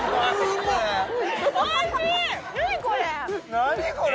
何これ！